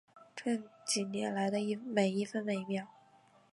这几年来的每一分一秒